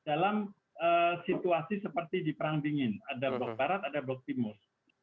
dalam situasi seperti di perang dingin ada blok barat ada blok timur